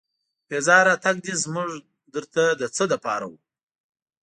بې ځایه راتګ دې زموږ در ته د څه لپاره و.